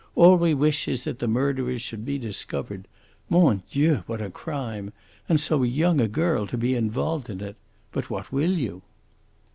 All we wish is that the murderers should be discovered. Mon Dieu, what a crime! And so young a girl to be involved in it! But what will you?"